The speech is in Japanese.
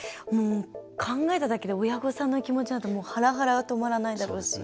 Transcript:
考えただけで親御さんの気持ちになるとはらはらが止まらないだろうし。